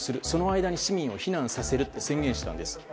その間に市民を避難させると宣言したんです。